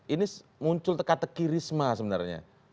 ini muncul teka teki risma sebenarnya